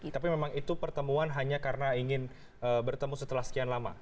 tapi memang itu pertemuan hanya karena ingin bertemu setelah sekian lama